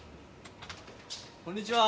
こんにちは。